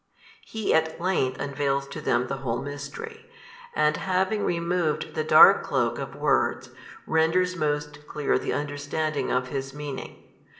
He at length unveils to them the whole mystery, and having removed the dark cloak of words, renders most clear the understanding of His meaning.